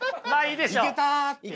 いけた！